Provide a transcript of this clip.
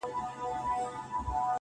مړ به دي کړې داسې مه کوه_